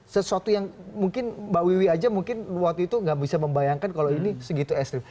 sesuatu yang mungkin mbak wiwi aja mungkin waktu itu nggak bisa membayangkan kalau ini segitu ekstrim